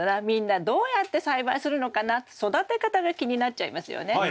みんなどうやって栽培するのかなって育て方が気になっちゃいますよね。